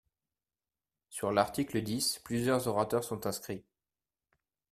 Sur l’article dix, plusieurs orateurs sont inscrits.